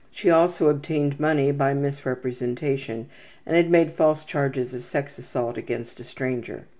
She also obtained money by misrepresentations and had made false charges of sex assault against a stranger.